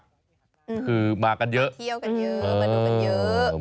มาเที่ยวกันเยอะมาดู